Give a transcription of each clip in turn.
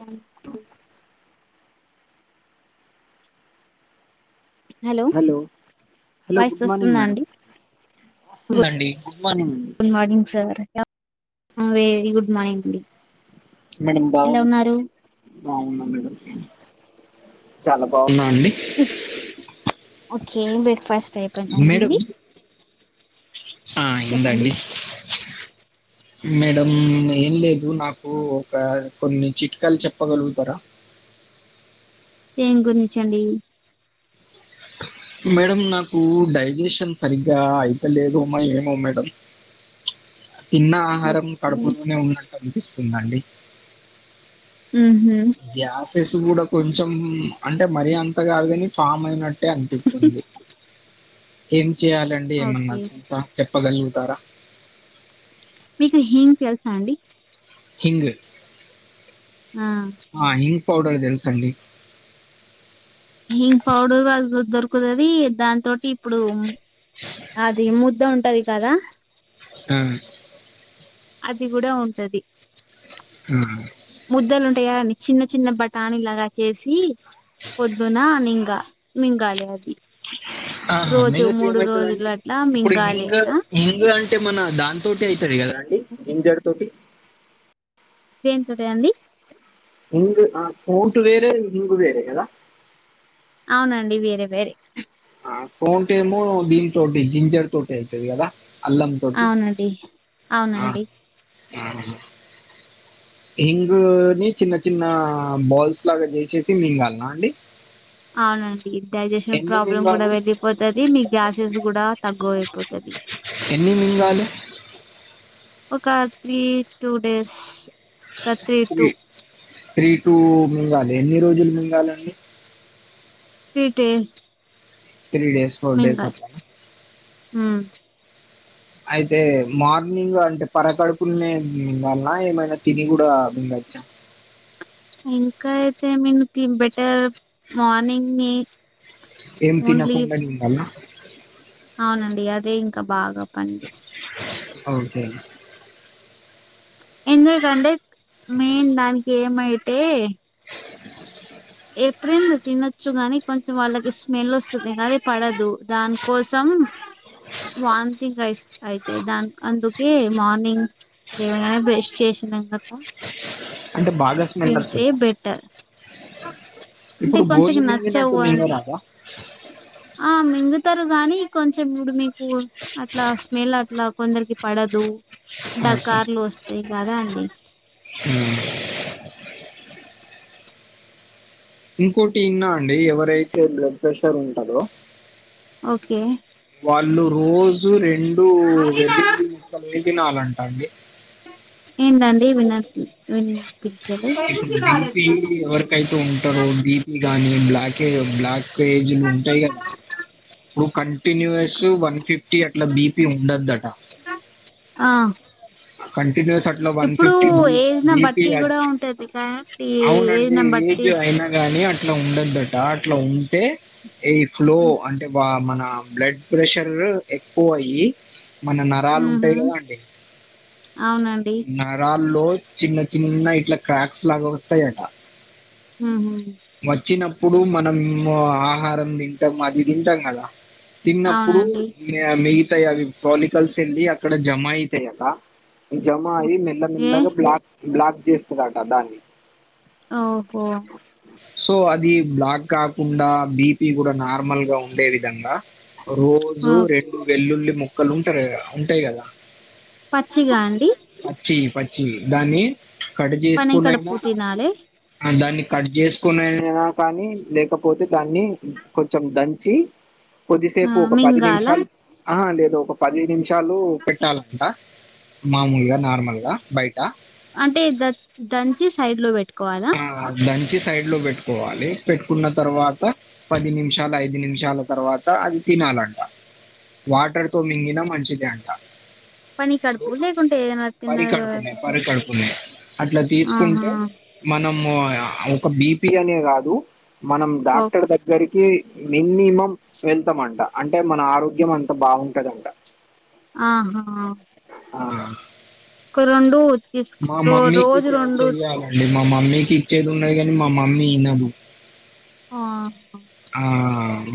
అ hello hello voice good morning వస్తుందా madam అండి వస్తుందండి మార్నింగ్ అండి good morning sir very good morning అండి మేడం బావు ఎలా ఉన్నారు బావున్నా మేడం చాలా బావ్ వున్నా అండి ఓకే బ్రేక్ఫాస్ట్ అయిపోయిందండి మేడం మీది ఆ చెప్పండి అయిందండి మేడం ఏం లేదు నాకు ఒక కొన్ని చిట్కాలు చెప్పగలుగుతారా దేని గురించండి మేడం నాకు డైజిషన్ సరిగ్గా అయితలేదు ఏమో మేడం తిన్న ఆహారం ఓకే కడుపులోనే ఉన్నట్టు అనిపిస్తుందండి మ్ హు ఫెసు కూడా కొంచెం అంటే మరి అంత కాదు గాని ఫామ్ అయినట్టే అనిపిత్తుంది ఏం చేయాలండి ఏమన్నా ఓకే చెప్పగలుగుతారా మీకు హింగ్ తెలుసా అండి హింగ్ ఆ ఆ ఇ పౌడర్ తెలుసండి హింగ్ పౌడర్ దొరుకుతది దాని తోటి ఇప్పుడు అది మూ ద్ద ఉంటది కదా హ్మ్ అది కూడా ఉంటది మ్ టయని చిన్న చిన్న బఠాని లాగా చేసి పొద్దున నింగా మింగాలే అది ఆహా రోజు మింగితే మూడు ఏమైతదండి రోజులు అట్లా ఇప్పుడు మింగాలి హింగ ఆ హింగు అంటే మన దానితోటే అయితది కదా అం డి జింజర్ తోటి దేనితోటియండి హింగు ఆ స్పొంటు వేరే హింగు వేరే కదా అవునండి వేరే వేరే ఫౌంటేమో దీనితోటి జింజర్ తోటే అయితది కదా అల్లం తోటి అవునండి ఆ అవునండి ఆ హింగుని చిన్న చిన్న బాల్స్ లాగా చేసేసి మింగాల్నా అండి అవునండి డైజిషన్ ఎన్ని ప్రాబ్లమ్ కూడా మింగాలి? వెళ్ళిపోతది మీ గ్యాసెస్ కూడా తగ్గు పోతది ఎన్ని మింగాలె ఒక త్రీ టూ డేస్ ఒక త్రీ టూ త్రీ టూ మింగాలే ఎన్ని రోజులు మింగాలండి three days three days four days అ హ్మ్ అయితే మార్నింగ్ అంటే పరకడుపుల్నే మింగాల్న ఏమైనా తిని కూడా మింగ వచ్చాం ఇంకా అయితే మేలుకింగ్ బెటర్ మార్నింగే ఏం తినకుండా మింగాల్న అవునండి అదే ఇంకా బాగా పనిచేస్తుంది ఓకే ఎందుకంటే మెయిన్ దానికి ఏమైతే [inaudible] ఏప్రిల్ తినొచ్చు గానీ కొంచెం వాళ్ళకి స్మెల్ వస్తుంది అది పడదు దాని కోసం [inaudible] వాన్ తింగ్ ఐస్ అయితది దాన్ అందుకే మార్నింగ్ లేవగానే బ్రష్ చేసినాక అంటే బాగా స్మెల్ తింటే అత్తదా? బెటర్ అంటే ఇప్పుడు గోళీ కొంచెంకు మింగినట్టు నచ్చవు అని మింగరాదా? ఆ మింగు తారు గానీ కొంచెం ఇప్పుడు మీకు అట్లా స్మెల్ అట్లా కొందరికి పడదు ఓకే. డకార్లు వస్తాయి కదా అండి హ్మ్. ఇంకోటి ఇన్నా అండి ఎవరైతే బ్లడ్ ప్రెషర్ ఉంటందో ఓకే వాళ్ళు రోజు రెండు వెల్లుల్లి ముక్కలు తినాలంటండి ఏంటండి వినట్ వినిపించలే ఇప్పుడు తీపి ఎవరికైతే ఉంటారో తీపి కాని బ్లాక్ బ్లాక్ పేజ్లు ఉంటాయి కదా ఇప్పుడు క కంటిన్యుూస్ వన్ ఫిఫ్టీ అట్లా బీపీ ఉండదట ఆ కన్ న్యూస్ అట్లా వన్ ఇప్పుడు ఫిఫ్టీ ఏజ్ న బిపి బట్టి కూడా ఉంటది కాబట్టి ఏజ్ అవునండి న బట్టి ఏజ్ అయి గాని అట్లా ఉండదట అట్లా ఉంటే ఏజ్ లో అంటే వా మన బ్లడ్ ప్రెషర్ ఎక్కువ అయ్యి మన నరాలు ఉహు ఉంటాయి కదా అండి అవునండి గాల్లో చిన్న చిన్న ఇట్లా క్రాక్స్ లాగా వస్తాయట మ్ము ఇప్పుడు మనం ఆహారం తింటాం అది తింటాం కదా తిన్నప్పుడు అవునండి మిగతాయి అవి క్రానికల్స్ వెళ్ళి అక్కడ జమ అయితాయి అక్క జమ అయ్యి ఏ మెల్లమెల్లగా బ్లాక్ బ్లాక్ చేస్తారట దాన్ని ఓహో సో అది బ్లాక్ కాకుండా బిపి కూడా నార్మల్ గా ఉండే విధంగా ఆ! రోజు రెండు వెల్లుల్లి ముక్కలు ఉంటారు ఉంటాయి కదా పచ్చిగా అండి పచ్చి దాన్ని కట్ పనెక్కడ పూ చేసుకునియినా తినాలి దాన్ని కట్ చేసుకునేనా కానీ లేకపోతే దాన్ని కొంచెం దంచి ఆ కొద్దిసేపు ఒక పది మింగాల నిమిషాలు ఆ లేదు ఒక పది నిమిషాలు పెట్టాలంట మామూలుగా నార్మల్గా బయట అంటే ద దంచి సైడ్ లో పెట్టుకోవాలా వచ్చి సైడ్ లో పెట్టుకోవాలి పెట్టుకున్న తర్వాత పది నిమిషాల ఐదు నిమిషాల తర్వాత అది తినాలంట వాటర్ తో మింగినా మంచిది అంట పని కడుపు లేకుంటే ఏదైనా తిన్నగా పరికడుకున్నా పరి కడుకున్నా అట్లా ఆహా తీసుకుంటే మనము ఒక బిపి అనే కాదు మనం ఓ డాక్టర్ దగ్గరికి మినిమం వెళ్తామంట అంటే మన ఆరోగ్యం అంత బాగుంటదంట ఆహా ఆ ఒక రెండు తీసు మా ర మమ్మీకి రోజు చే- రెండు చెయ్యాలండి మా మమ్మీకి ఇచ్చేది ఉన్నది కానీ మా మమ్మీ ఈనదు ఆహ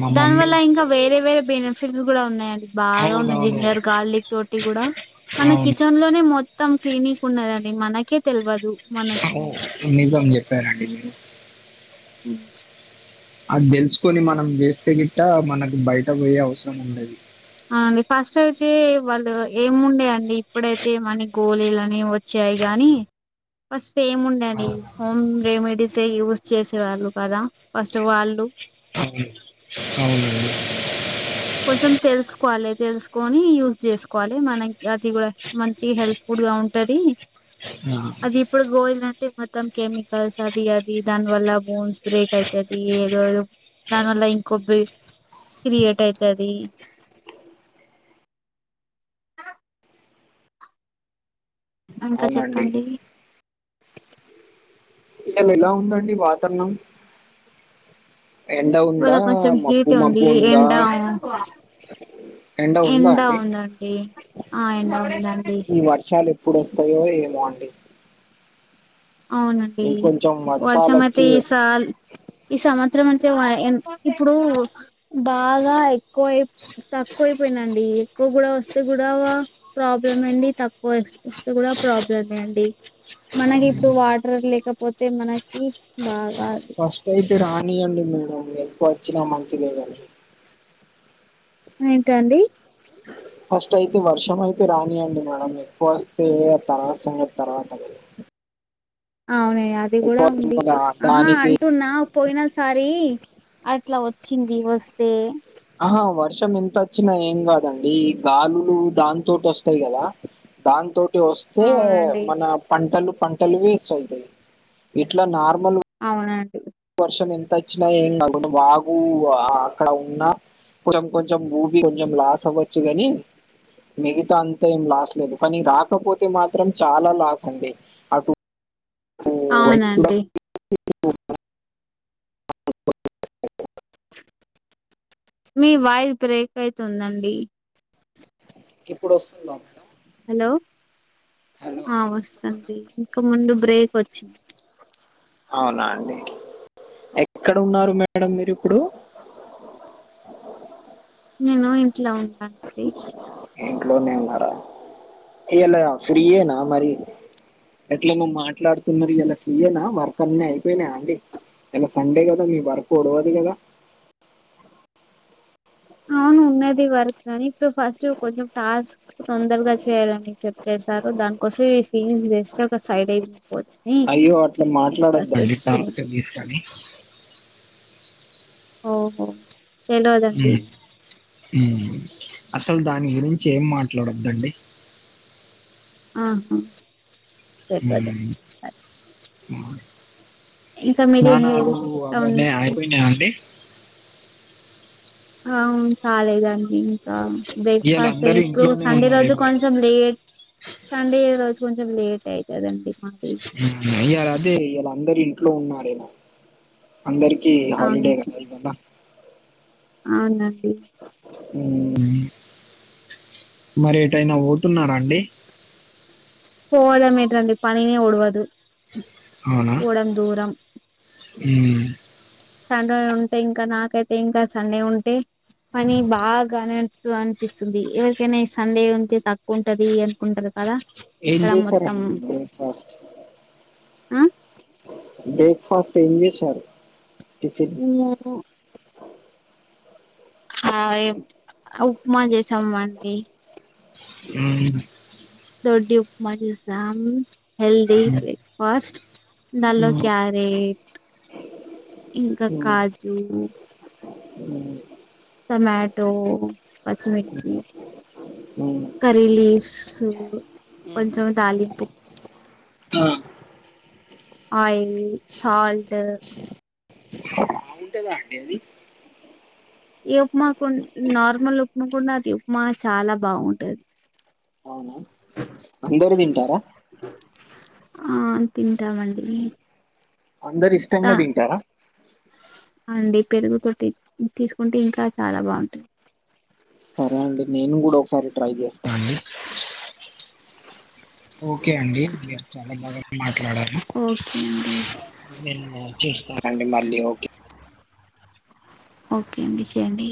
మా మమ్మీ దానివల్ల ఇంకా వేరే వేరే బెనిఫిట్ స్ కూడా ఉన్నాయిడి బాగా ఉన్నాయి అవునవును జింజర్ గార్లిక్ తోటి కూడా మన అవును కిచెన్ లోనే మొ మొత్తం క్లీనిక్ ఉన్నదని మనకే తెలియదు నిజం చెప్పారండి మీరు ఉ అది తెలుసుకొని మనం చేస్తే గిట్ట మనకు బయట పోయే అవసరం ఉండది అవునండి ఫస్ట్ అయితే వాళ్ళు ఏము ఉండే అండి ఇప్పుడైతే మన గోళలుని వచ్చ వచ్చాయి గాని ఫస్ట్ ఏం ఉండి అవును హోమ్ రెమెడీస్ యూజ్ చేసేవాళ్ళు కదా ఫస్ట్ వాళ్ళు అవును అవునండి కొంచెం తెలుసుకోవాలి తెలుసుకొని యూజ్ చేసుకోవాలి మనకి అది కూడా మంచి హెల్త్ ఫుడ్ గా ఉంటది ఆ అది ఇప్పుడు గోయి మొత్తం కెమికల్స్ అది అది దాని వల్ల బోన్స్ బ్రేక్ యితతి ఏదో నన్ల్ ఇంకొబ్ క్రయేట్ యి కది ఇంకా అవునండి చెప్పండి అక్కడ ఎలా ఉందండి వాతవరణం ఎండ ఉందా ఇవాళ కొంచెం మబ్బు హీట్ మబ్బు ఉంది ఉందా ఎండ ఎండ ఉందా అండి ఆ ఎండ ఉందండి ఈ వర్షాలు ఎప్పుడు వస్తాయో ఏమో అండి అవునండి ఇంకొంచెం వర్షాలు వర్షం అయితే వచ్చి ఈ స ఈ సం సంవత్సరం నుంచి ఇప్పుడు బాగా ఎక్కువయి తక్కువయిపోయినండి ఎక్కువ కూడా వస్తే కూడా ప్రాబ్లమే అండి తక్కువ వస్తే కూడా ప్రాబ్లమే అండి మనకి ఇప్పుడు వాటర్ లేకపోతే మనకి బాగా అది ఫస్ట్ అయితే రాని అండి మేడం ఎకు వచ్చినా మంచిదే కడి ఏంటండీ అ ఫస్ట్ అయితే వర్షం అయితే రానియండి మేడం ఎక్కువ వస్తే ఆ తర్వాత సంగతి తర్వాత అవున అది కూడా ఎక్కువ ఉంది వచ్చిన దా- ఆహా దానికి అంటున్నా పోయిన సారి ఇట్లా వచ్చింది వస్తే ఆహా వర్షం ఎంత వచ్చినా ఏం కాదండి గాలులు దాంతోటి వస్తాయి కదా దాంతో వస్తే అవునండి. మన పంటలు పంటలు వేస్ట్వుతాయి ఇట్లా నార్మల్ అవునండి ష ఎంత వచ్చినా ఏం కాకుండా వాగు అక్కడ ఉన్నా కొంచెం కొంచెం ఊబ కొంచెం లాస్ అవ్వచ్చు కాని మిగతా అంతా ఏం లాస్ లేదు కానీ రాకపోతే మాత్రం చాలా లాస్ అండి అటు అవునండి రైతులకు మీ వాయిస్ బ్రేక్ అయితుందండి ఇప్పుడు వస్తుందా హలో వస్తుండి ఇంక ముందు బ్రేక్ వచ్చింది అవునా అండి ఎక్కడ ఉన్నారు మేడం మీరు ఇప్పుడు నేను ఇంట్ల ఉంటానండి ఇంట్లోనే ఉన్నార ఇయ్యలా ఫ్రీయేనా మరి ఎట్లానో మాట్లాడుతున్నారు ఇయ్యలా ఫ్రీయేనా వర్క్ అన్నీ అయిపోయినాయ అండి ఇయ్యాల సండే కదా మీ వర్కు ఓడువది కదా అవును ఉన్నది వర్క్ కాని ఇప్పుడు ఫస్ట్ కొంచెం టాస్క్ తొందరగా చేయ్యాలని చెప్పే సారు దానికోసం [unintelligible] ఒక సైడ్ అయిపోదని అయ్యో అట్లా ఫస్ట్ మాట్లాడొద్దండి స్విమ్స్ టాస్క్ గిస్క్ అని ఓహో తెలవదండి మ్ మ్ అసలు దాని గురించి ఏం మాట్లాడోద్దండి ఉమ్, ఆహా ఇంకా మీది హెల్ స్నానాలు అవును అవన్ని అయిపోయినాయా అండి అవును కాలేదండి ఇంకా ఇవాళ బ్రేక్ఫాస్ట్ అందరు ఇప్పుడు ఇంట్లోనే సండే రోజు ఉన్నారేమో కొంచెం లేట్ సండే రోజుకొం చం లేటే అయితదండి మాది మ్ హు ఇయ్యాల అదే ఇయ్యలా అందరు ఇంట్లో ఉన్నారేమొ అందరికి హాలిడే అవునండి కదా ఇవ్వల అవునండి మ్ మరి ఏటైనా పోతున్నారా అండి పోవడమెంటండీ పనినే ఓడువదు అవునా పోడం దూరం ఉమ్ సండే ఉంటే ఇంకా నాకైతే ఇంకా సండే ఉంటే పనీ బాగనన్ దు అనిపిస్తుంది ఎవరికైనా ఈ సండే ఉంటే తక్కువ ఉంటది అనుకుంటారు కదా ఏం ఇక్కడ చేసారండి మొత్తం మీరు బ్రేక్ ఫస్ట్ ఆ బ్రేక్ఫాస్ట్ ఏం చేసారు ము ఆ ఎ ఉప్మా చేసామండి మ్ దోడ్డు ఉప్మా చేసాం హెల్దిీ బ్రేక్ఫాస్ట్ దన్లో ఉమ్ క్యారేట్ ఇంకా కాజు అవు టమాటో పచ్చిమిర్చి ఉమ్ కర్రీ లీవ్స్ కొంచెం తాలింపు ఆ ఆయిల్ సల్ట్ బాగుంటాందా అండి అది ఈ ఉప్మాకు నార్మల్ ఉప్మకన్న అది ఉప్మానే చాలా బాగుంటది అవునా అందరు తింటారా ఆ తింటామండి అందరు ఇష్టంగా తింటారా అండి పెరుగుతోతి తీసుకుంటే ఇంకా చాలా బాగుంటుంది సరే అండి నేను కూడా ఒకసారి ట్రై చేస్తానండి ఓకే అండి మీరు చాలా బాగా మాట్లాడారు ఓకే అండి నేను మ చూస్తానండి మళ్ళీ ఓకే ఓకే అండి చేయండి